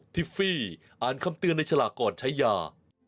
ทิฟฟี่อ่านคำเตือนในฉลากก่อนใช้ยา